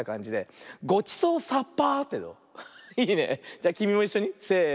じゃきみもいっしょにせの。